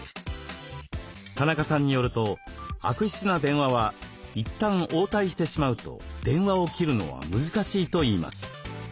田中さんによると悪質な電話はいったん応対してしまうと電話を切るのは難しいといいます。